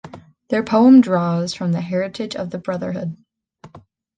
Their poem draws from the heritage of the brotherhood.